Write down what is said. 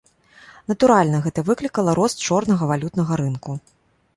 Натуральна, гэта выклікала рост чорнага валютнага рынку.